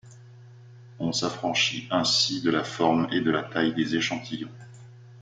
On s'affranchit ainsi de la forme et de la taille des échantillons.